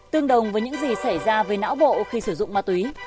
tương đồng với những gì xảy ra với não bộ khi sử dụng ma túy